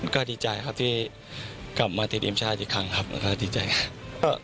ก็ดีใจครับที่กลับมาติดทีมชาติอีกครั้งครับแล้วก็ดีใจครับ